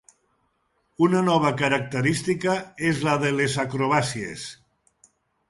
Una nova característica és la de les acrobàcies.